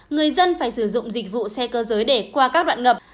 người dân phải sử dụng dịch vụ xe cơ giới để qua các đoạn ngập